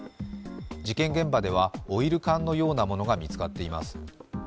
事件現場ではオイル缶のようなものが見つかっています。